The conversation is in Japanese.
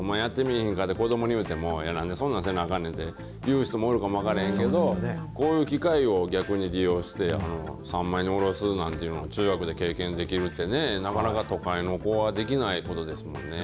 へんかって子どもに言うても、いや、なんでそんなせなあかんのやという人もおるかも分からへんけど、こういう機会を逆に利用して、三枚におろすなんていうのは、中学で経験できるってね、なかなか都会の子はできないことですもんね。